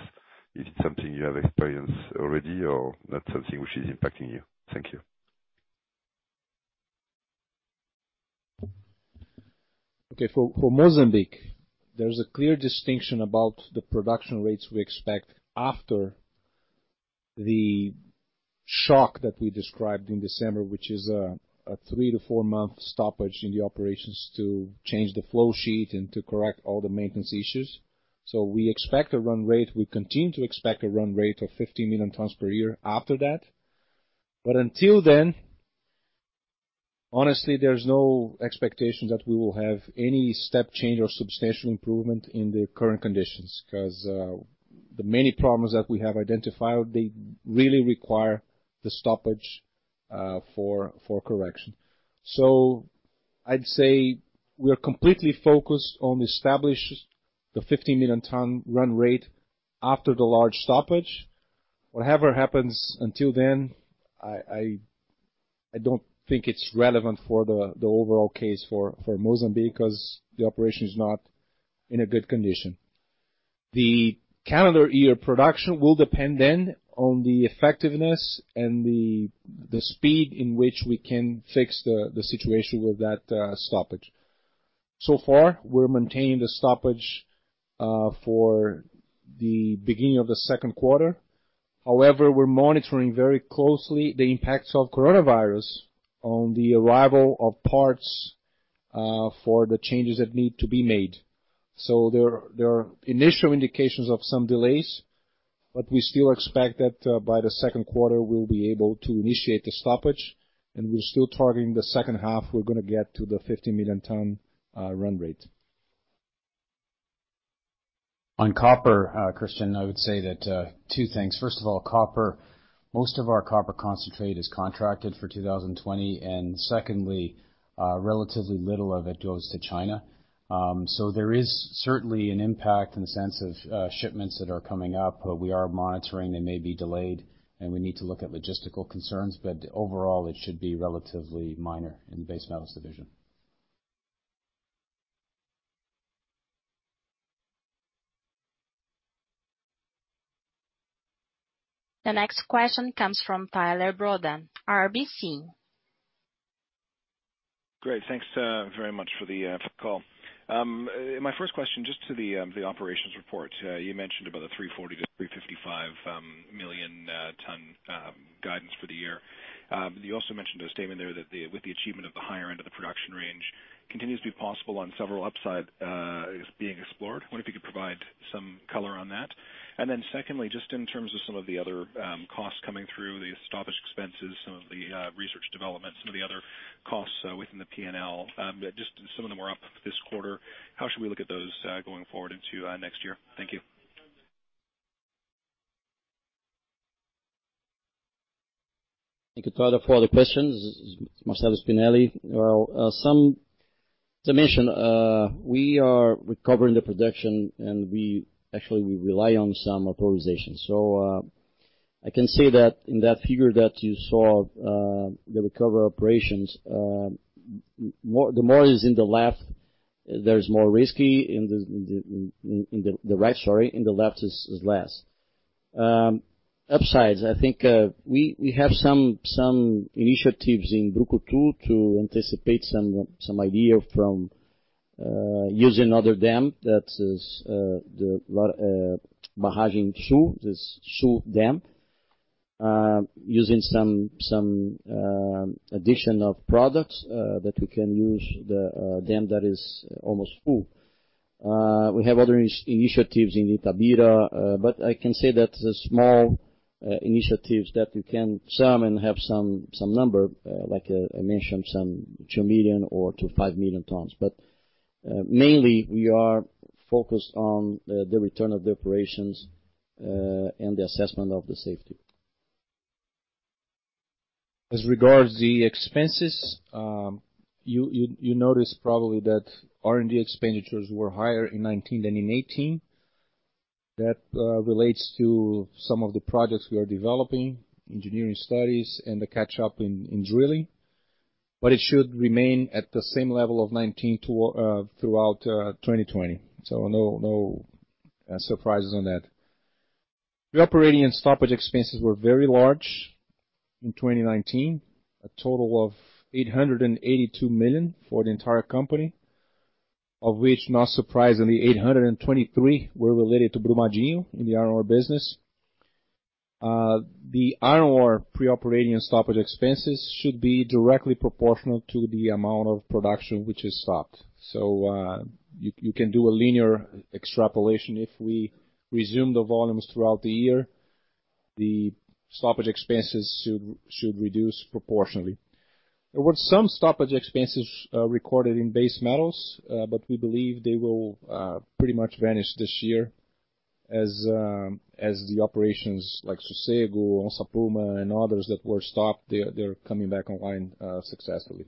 Is it something you have experienced already or not something which is impacting you? Thank you. Okay. For Mozambique, there's a clear distinction about the production rates we expect after the shock that we described in December, which is a 3-4 month stoppage in the operations to change the flow sheet and to correct all the maintenance issues. We expect a run rate, we continue to expect a run rate of 15 million tons per year after that. Until then, honestly, there's no expectation that we will have any step change or substantial improvement in the current conditions because the many problems that we have identified, they really require the stoppage for correction. I'd say we are completely focused on establishing the 15-million-ton run rate after the large stoppage. Whatever happens until then, I don't think it's relevant for the overall case for Mozambique because the operation is not in a good condition. The calendar year production will depend on the effectiveness and the speed in which we can fix the situation with that stoppage. So far, we're maintaining the stoppage for the beginning of the second quarter. However, we're monitoring very closely the impacts of coronavirus on the arrival of parts for the changes that need to be made. There are initial indications of some delays, but we still expect that by the second quarter, we'll be able to initiate the stoppage, and we're still targeting the second half, we're going to get to the 15-million-ton run rate. On copper, Christian, I would say two things. First of all, copper, most of our copper concentrate is contracted for 2020. Secondly, relatively little of it goes to China. There is certainly an impact in the sense of shipments that are coming up. We are monitoring. They may be delayed, and we need to look at logistical concerns, but overall, it should be relatively minor in the base metals division. The next question comes from Tyler Broda, RBC. Great. Thanks very much for the call. My first question, just to the operations report. You mentioned about a 340 million-355 million ton guidance for the year. You also mentioned a statement there that with the achievement of the higher end of the production range continues to be possible on several upside is being explored. I wonder if you could provide some color on that. Then secondly, just in terms of some of the other costs coming through, the stoppage expenses, some of the research development, some of the other costs within the P&L, just some of them are up this quarter. How should we look at those going forward into next year? Thank you. Thank you, Tyler, for all the questions. This is Marcello Spinelli. Well, some dimension, we are recovering the production, we actually rely on some authorization. I can say that in that figure that you saw, the recover operations, the more it is in the left, there's more risky. In the right, sorry. In the left is less. Upsides, I think we have some initiatives in Brucutu to anticipate some idea from using other dam. That is the Barragem Sul, the Sul dam, using some addition of products that we can use the dam that is almost full. We have other initiatives in Itabira, I can say that the small initiatives that we can sum and have some number, like I mentioned, some two million or to five million tons. Mainly, we are focused on the return of the operations and the assessment of the safety. As regards the expenses, you notice probably that R&D expenditures were higher in 2019 than in 2018. That relates to some of the projects we are developing, engineering studies and the catch-up in drilling. It should remain at the same level of 2019 throughout 2020. No surprises on that. The operating and stoppage expenses were very large in 2019, a total of 882 million for the entire company, of which, not surprisingly, 823 were related to Brumadinho in the iron ore business. The iron ore pre-operating and stoppage expenses should be directly proportional to the amount of production which is stopped. You can do a linear extrapolation. If we resume the volumes throughout the year, the stoppage expenses should reduce proportionally. There were some stoppage expenses recorded in base metals, but we believe they will pretty much vanish this year as the operations like Sossego, Onça Puma, and others that were stopped, they're coming back online successfully.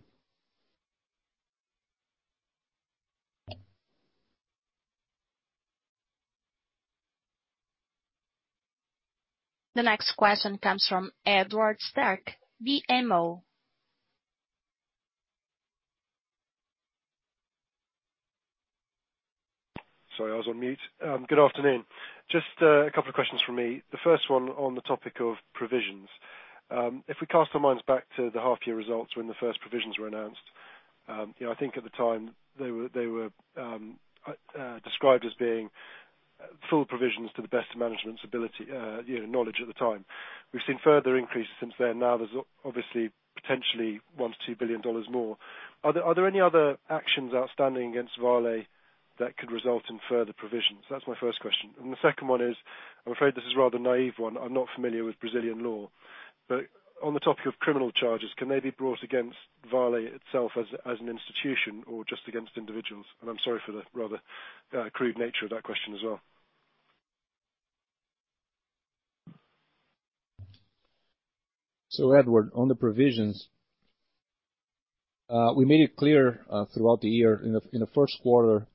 The next question comes from Edward Sterck, BMO. Sorry, I was on mute. Good afternoon. Just a couple of questions from me. The first one on the topic of provisions. If we cast our minds back to the half year results when the first provisions were announced, I think at the time they were described as being full provisions to the best of management's knowledge at the time. We've seen further increases since then. Now there's obviously potentially $1 billion-$2 billion more. Are there any other actions outstanding against Vale that could result in further provisions? That's my first question. The second one is, I'm afraid this is a rather naive one. I'm not familiar with Brazilian law. On the topic of criminal charges, can they be brought against Vale itself as an institution or just against individuals? I'm sorry for the rather crude nature of that question as well. Edward, on the provisions, we made it clear throughout the year. In the first quarter,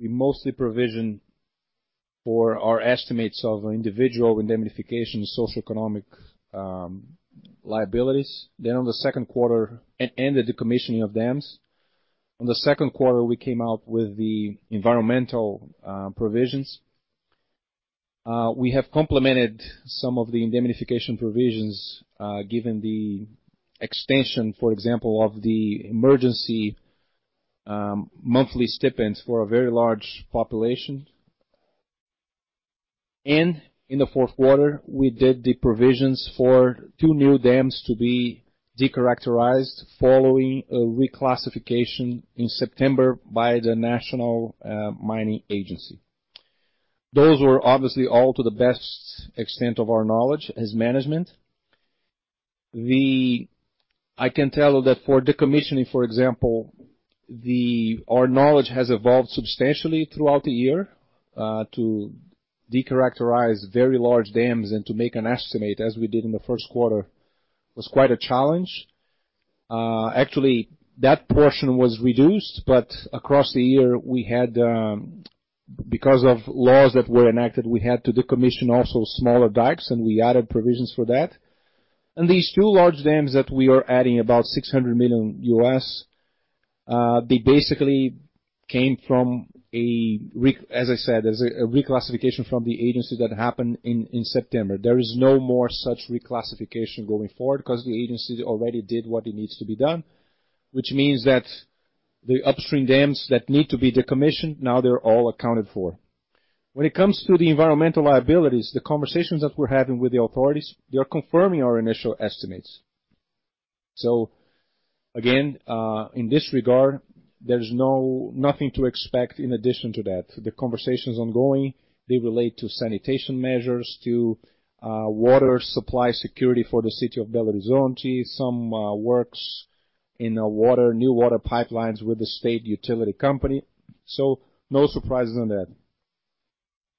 we mostly provisioned for our estimates of individual indemnification, socioeconomic liabilities and the decommissioning of dams. On the second quarter, we came out with the environmental provisions. We have complemented some of the indemnification provisions, given the extension, for example, of the emergency monthly stipends for a very large population. In the fourth quarter, we did the provisions for two new dams to be de-characterized following a reclassification in September by the National Mining Agency. Those were obviously all to the best extent of our knowledge as management. I can tell you that for decommissioning, for example, our knowledge has evolved substantially throughout the year. To de-characterize very large dams and to make an estimate, as we did in the first quarter, was quite a challenge. Actually, that portion was reduced, but across the year, because of laws that were enacted, we had to decommission also smaller dikes, and we added provisions for that. These two large dams that we are adding, about $600 million U.S., they basically came from a, as I said, a reclassification from the agency that happened in September. There is no more such reclassification going forward because the agency already did what it needs to be done, which means that the upstream dams that need to be decommissioned, now they're all accounted for. When it comes to the environmental liabilities, the conversations that we're having with the authorities, they are confirming our initial estimates. Again, in this regard, there's nothing to expect in addition to that. The conversation's ongoing. They relate to sanitation measures, to water supply security for the city of Belo Horizonte, some works in new water pipelines with the state utility company. No surprises on that.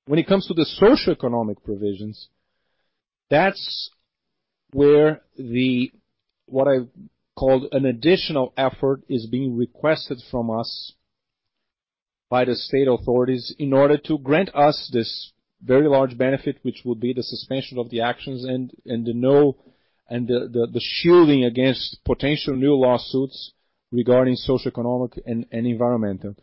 When it comes to the socioeconomic provisions, that's where what I've called an additional effort is being requested from us by the state authorities in order to grant us this very large benefit, which will be the suspension of the actions and the shielding against potential new lawsuits regarding socioeconomic and environmental.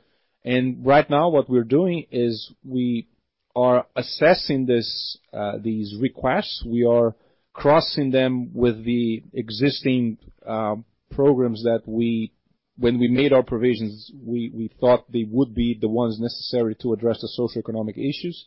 Right now, what we're doing is we are assessing these requests. We are crossing them with the existing programs that when we made our provisions, we thought they would be the ones necessary to address the socioeconomic issues.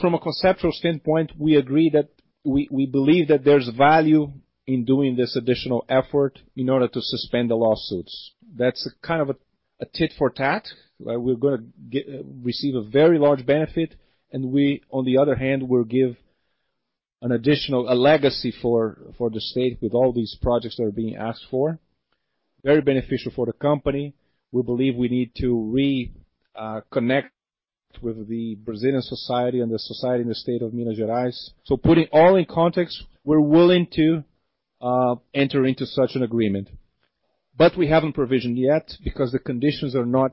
From a conceptual standpoint, we believe that there's value in doing this additional effort in order to suspend the lawsuits. That's a kind of a tit for tat. We're going to receive a very large benefit, and we, on the other hand, will give a legacy for the state with all these projects that are being asked for. Very beneficial for the company. We believe we need to reconnect with the Brazilian society and the society in the state of Minas Gerais. Putting it all in context, we're willing to enter into such an agreement. We haven't provisioned yet because the conditions are not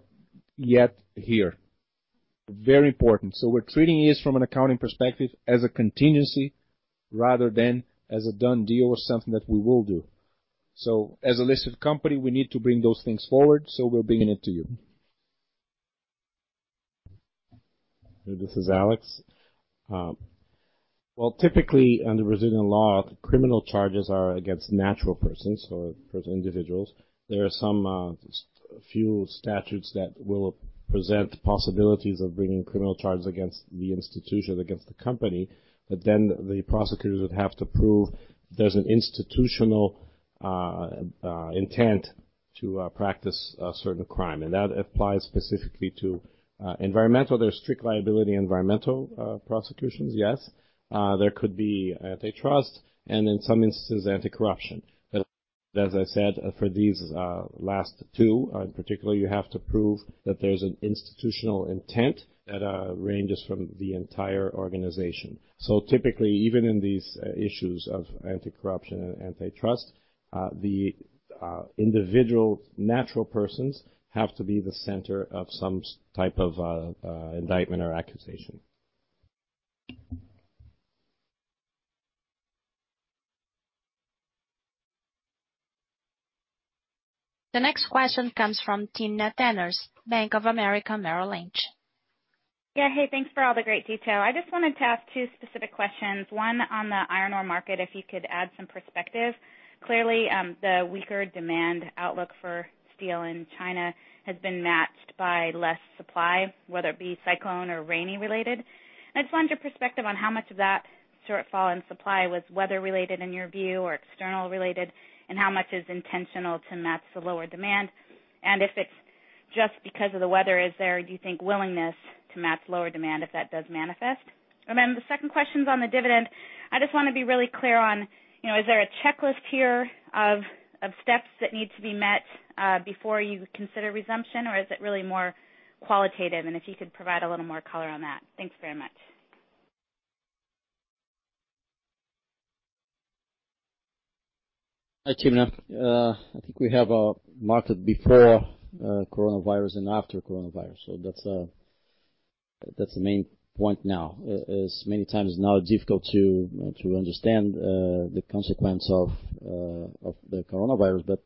yet here. Very important. We're treating this from an accounting perspective as a contingency rather than as a done deal or something that we will do. As a listed company, we need to bring those things forward, so we're bringing it to you. This is Alex. Typically under Brazilian law, criminal charges are against natural persons or individuals. There are a few statutes that will present possibilities of bringing criminal charges against the institution, against the company. The prosecutors would have to prove there's an institutional intent to practice a certain crime, and that applies specifically to environmental. There's strict liability environmental prosecutions, yes. There could be antitrust, and in some instances, anti-corruption. As I said, for these last two in particular, you have to prove that there's an institutional intent that ranges from the entire organization. Typically, even in these issues of anti-corruption and antitrust, the individual natural persons have to be the center of some type of indictment or accusation. The next question comes from Timna Tanners, Bank of America Merrill Lynch. Yeah. Hey, thanks for all the great detail. I just wanted to ask two specific questions, one on the iron ore market, if you could add some perspective. Clearly, the weaker demand outlook for steel in China has been matched by less supply, whether it be cyclone or rainy related. I just wanted your perspective on how much of that shortfall in supply was weather related in your view, or external related, and how much is intentional to match the lower demand. If it's just because of the weather, is there, do you think, willingness to match lower demand if that does manifest? The second question's on the dividend. I just want to be really clear on, is there a checklist here of steps that need to be met before you consider resumption, or is it really more qualitative? If you could provide a little more color on that. Thanks very much. Hi, Timna. I think we have a market before coronavirus and after coronavirus. That's the main point now, as many times now difficult to understand the consequence of the coronavirus.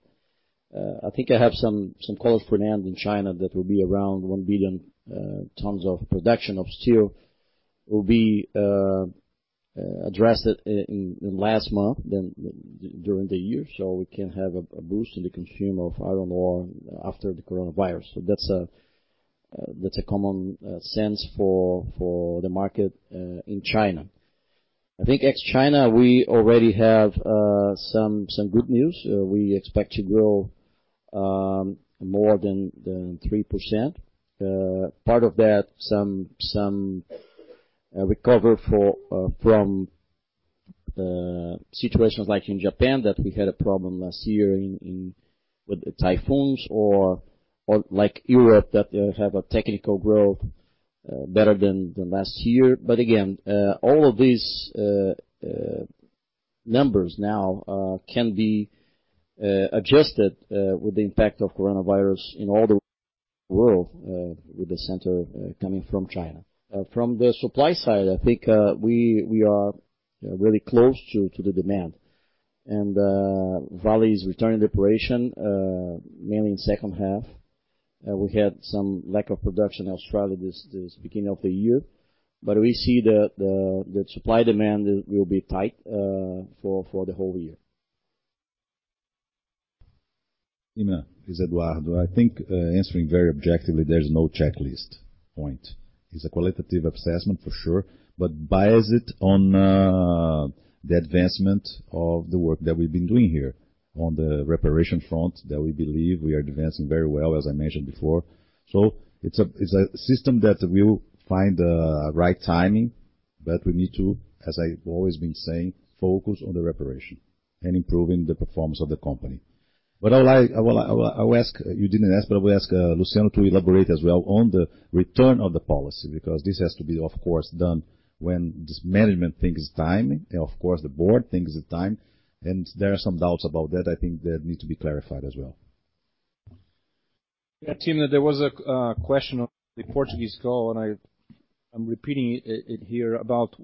I think I have some calls for demand in China that will be around 1 billion tons of production of steel will be addressed in last month than during the year. We can have a boost in the consumption of iron ore after the coronavirus. That's a common sense for the market in China. I think ex-China, we already have some good news. We expect to grow more than 3%. Part of that, some recovery from situations like in Japan that we had a problem last year with the typhoons or like Europe that have a technical growth better than the last year. Again, all of these numbers now can be adjusted with the impact of coronavirus in all the world with the center coming from China. From the supply side, I think we are really close to the demand. Vale is returning to operation mainly in second half. We had some lack of production in Australia this beginning of the year. We see that the supply-demand will be tight for the whole year. Timna, it's Eduardo. I think answering very objectively, there's no checklist point. Bias it on the advancement of the work that we've been doing here on the reparation front that we believe we are advancing very well, as I mentioned before. It's a system that will find the right timing. We need to, as I've always been saying, focus on the reparation and improving the performance of the company. I will ask, you didn't ask, but I will ask Luciano to elaborate as well on the return of the policy, because this has to be, of course, done when this management thinks it's time, and of course, the board thinks it's time. There are some doubts about that, I think that need to be clarified as well. Timna, there was a question on the Portuguese call, and I'm repeating it here about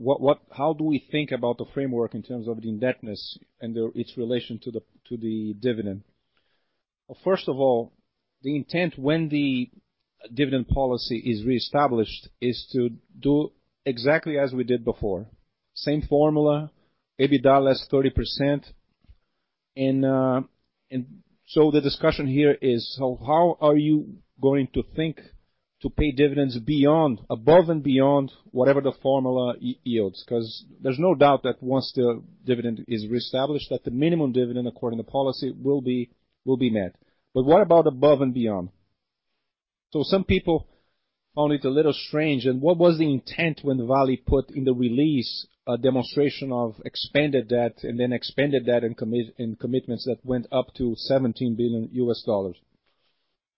how do we think about the framework in terms of the indebtedness and its relation to the dividend. First of all, the intent when the dividend policy is reestablished is to do exactly as we did before. Same formula, EBITDA less 30%. The discussion here is, how are you going to think to pay dividends above and beyond whatever the formula yields? Because there's no doubt that once the dividend is reestablished, that the minimum dividend according to policy will be met. What about above and beyond? Some people found it a little strange, and what was the intent when Vale put in the release a demonstration of expanded debt and then expanded debt in commitments that went up to $17 billion.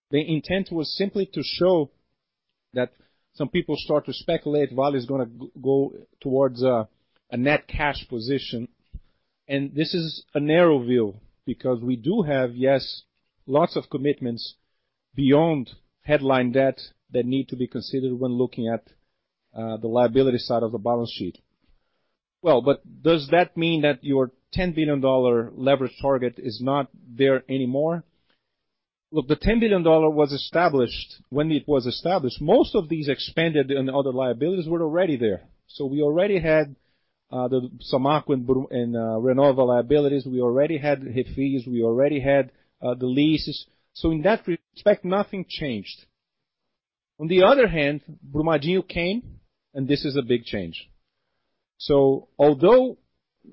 The intent was simply to show that some people start to speculate Vale is going to go towards a net cash position. This is a narrow view because we do have, yes, lots of commitments beyond headline debt that need to be considered when looking at the liability side of the balance sheet. Well, does that mean that your BRL 10 billion leverage target is not there anymore? Look, the BRL 10 billion was established. When it was established, most of these expanded and other liabilities were already there. We already had the Samarco and Renova liabilities. We already had HIF fees. We already had the leases. In that respect, nothing changed. On the other hand, Brumadinho came. This is a big change. Although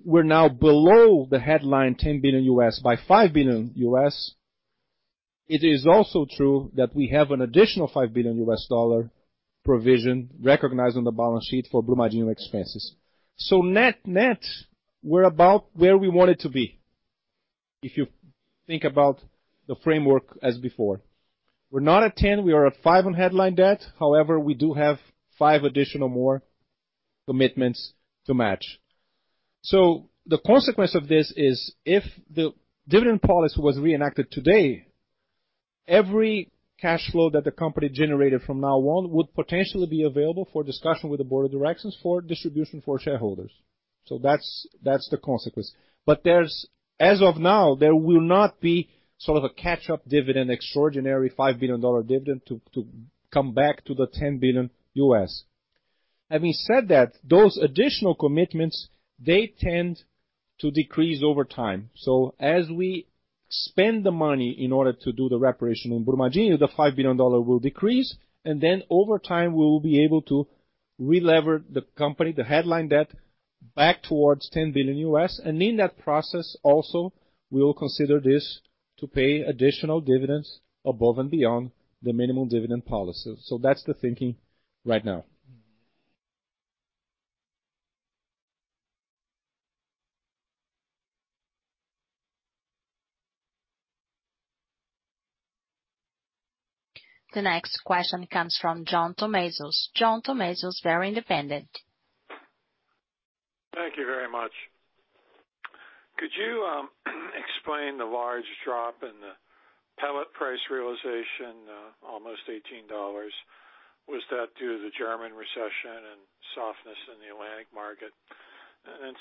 we're now below the headline $10 billion by $5 billion, it is also true that we have an additional $5 billion provision recognized on the balance sheet for Brumadinho expenses. Net-net, we're about where we wanted to be, if you think about the framework as before. We're not at 10, we are at five on headline debt. However, we do have five additional more commitments to match. The consequence of this is if the dividend policy was reenacted today, every cash flow that the company generated from now on would potentially be available for discussion with the Board of Directors for distribution for shareholders. That's the consequence. As of now, there will not be sort of a catch-up dividend, extraordinary $5 billion dividend to come back to the $10 billion. Having said that, those additional commitments, they tend to decrease over time. As we spend the money in order to do the reparation on Brumadinho, the $5 billion will decrease, and then over time, we will be able to relever the company, the headline debt, back towards $10 billion. In that process also, we will consider this to pay additional dividends above and beyond the minimum dividend policy. That's the thinking right now. The next question comes from John Tumazos. John Tumazos, Very Independent Research. Thank you very much. Could you explain the large drop in the pellet price realization, almost $18? Was that due to the German recession and softness in the Atlantic market?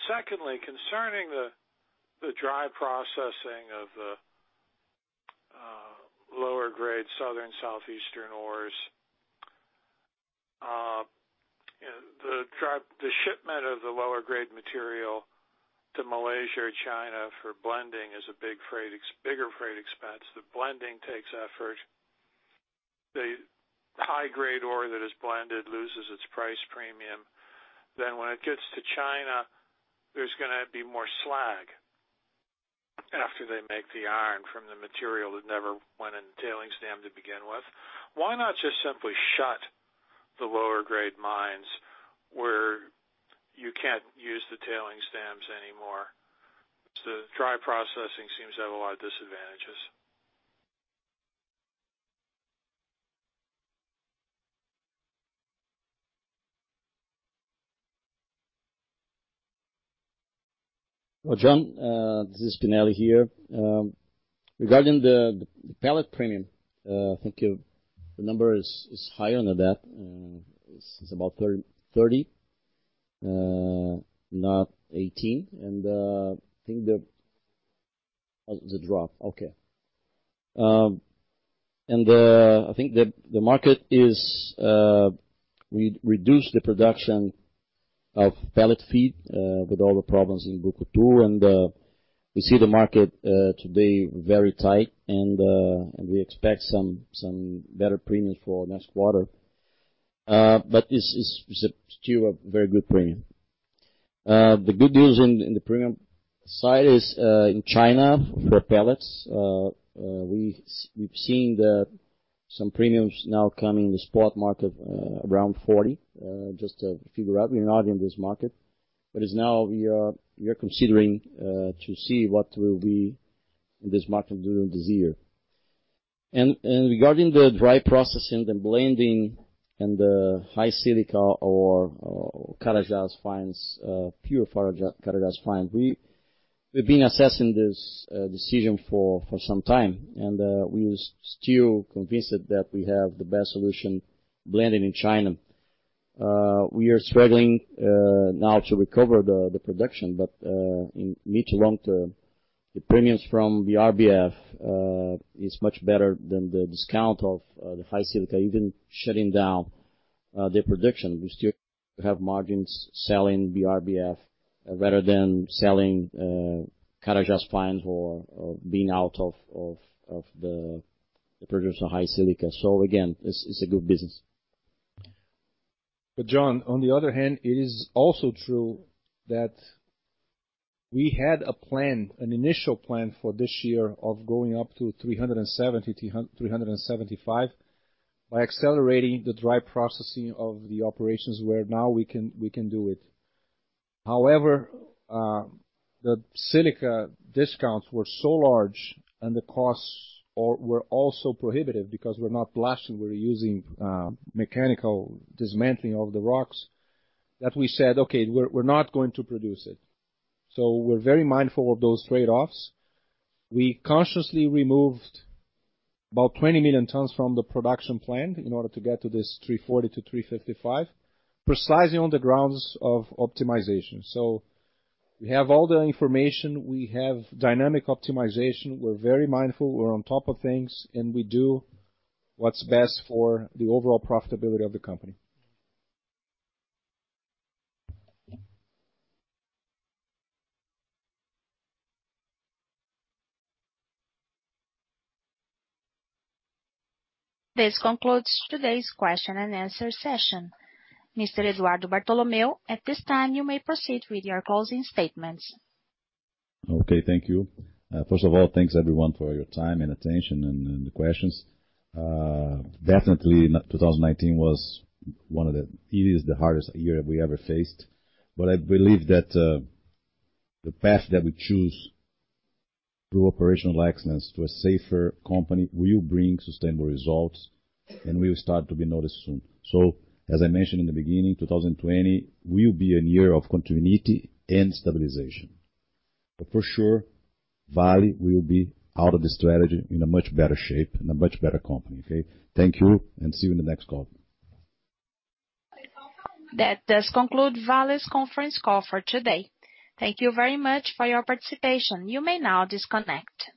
Secondly, concerning the dry processing of the lower grade southern southeastern ores. The shipment of the lower grade material to Malaysia or China for blending is a bigger freight expense. The blending takes effort. The high-grade ore that is blended loses its price premium. When it gets to China, there's going to be more slag after they make the iron from the material that never went in the tailing dam to begin with. Why not just simply shut the lower grade mines where you can't use the tailing dams anymore? The dry processing seems to have a lot of disadvantages. John, this is Spinelli here. Regarding the pellet premium, I think the number is higher than that. It's about 30, not 18. I think, oh, it's a drop. Okay. I think the market reduced the production of pellet feed with all the problems in Brucutu, and we see the market today very tight, and we expect some better premiums for next quarter. It's still a very good premium. The good news in the premium side is in China for pellets. We've seen some premiums now coming in the spot market around 40, just to figure out. We're not in this market, but now we are considering to see what will be in this market during this year. Regarding the dry processing, the blending and the high silica or Carajás Fines, pure Carajás Fines, we've been assessing this decision for some time, and we are still convinced that we have the best solution blending in China. We are struggling now to recover the production, but in mid to long-term, the premiums from the BRBF is much better than the discount of the high silica, even shutting down their production. We still have margins selling the BRBF rather than selling Carajás Fines or being out of the production of high silica. Again, it's a good business. John, on the other hand, it is also true that we had a plan, an initial plan for this year of going up to 370, 375 by accelerating the dry processing of the operations where now we can do it. The silica discounts were so large and the costs were all so prohibitive because we're not blasting, we're using mechanical dismantling of the rocks, that we said, "Okay, we're not going to produce it." We're very mindful of those trade-offs. We consciously removed about 20 million tons from the production plan in order to get to this 340-355, precisely on the grounds of optimization. We have all the information, we have dynamic optimization. We're very mindful. We're on top of things, and we do what's best for the overall profitability of the company. This concludes today's question and answer session. Mr. Eduardo Bartolomeo, at this time, you may proceed with your closing statements. Okay. Thank you. First of all, thanks everyone for your time and attention and the questions. Definitely, 2019 was one of the hardest years we ever faced, but I believe that the path that we choose through operational excellence to a safer company will bring sustainable results and will start to be noticed soon. As I mentioned in the beginning, 2020 will be a year of continuity and stabilization. For sure, Vale will be out of this tragedy in a much better shape and a much better company. Okay. Thank you, and see you in the next call. That does conclude Vale's conference call for today. Thank you very much for your participation. You may now disconnect.